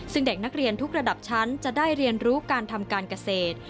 ซึ่งเด็กนักเรียนทุกระดับชั้นจะได้เรียนรู้การทำการเกษตร